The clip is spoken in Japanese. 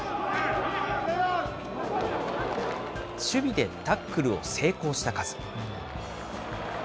守備でタックルを成功した数。